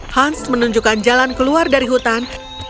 hans menunjukkan jalan keluar dari hutan